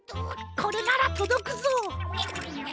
これならとどくぞ。